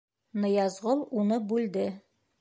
Ныязғол уны бүлде: